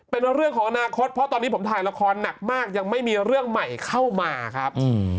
เป็นเรื่องของอนาคตเพราะตอนนี้ผมถ่ายละครหนักมากยังไม่มีเรื่องใหม่เข้ามาครับ